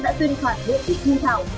đã tuyên phạt nguyện thị thu thảo